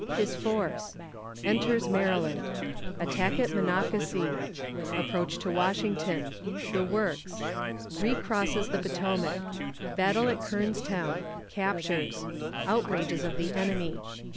His Force. Enters Maryland. Attack at Monocacy. Approach to Washington. The Works. Recrosses the Potomac. Battle at Kernstown. Captures. Outrages of the Enemy.